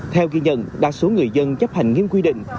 theo ghi nhận đa số người dân chấp hành nghiêm quy định